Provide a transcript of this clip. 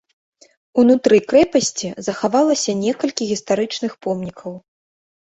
Унутры крэпасці захавалася некалькі гістарычных помнікаў.